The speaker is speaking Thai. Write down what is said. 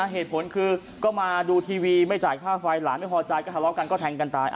เหตุผลคือก็มาดูทีวีไม่จ่ายค่าไฟหลานไม่พอใจก็ทะเลาะกันก็แทงกันตาย